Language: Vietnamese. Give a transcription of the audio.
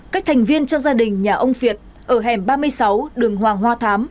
các thành viên trong gia đình nhà ông việt ở hẻm ba mươi sáu đường hoàng hoa thám